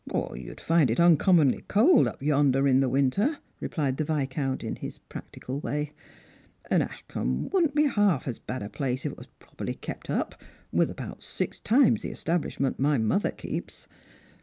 " You'd find it uncommonly cold up yonder in the winter," replied the Viscount in his practical way ;" and Ashcombo wouldn't be half a bnd place if it was properly kept up, wi^.v about six times the establishment my mother keeps.